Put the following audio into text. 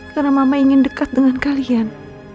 karena mama ingin dekat dengan kalian